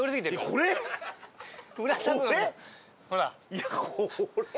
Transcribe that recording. いやこれは。